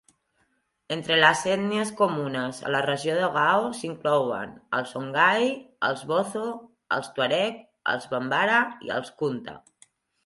Entre les ètnies comunes a la regió de Gao, s'inclouen els Songhai, els bozo, els tuàreg, els bambara i els kunta.